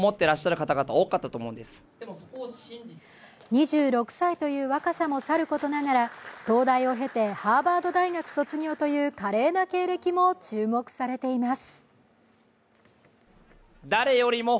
２６歳という若さもさることながら、東大を経てハーバード大学卒業という華麗な経歴も注目されています。